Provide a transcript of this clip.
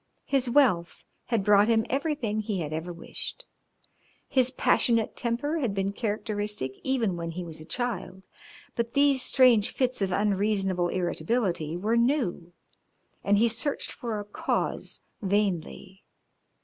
His wealth had brought him everything he had ever wished. His passionate temper had been characteristic even when he was a child, but these strange fits of unreasonable irritability were new, and he searched for a cause vainly.